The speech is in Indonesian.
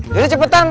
yuk deh cepetan